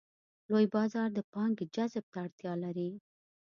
لوی بازار د پانګې جذب ته اړتیا لري.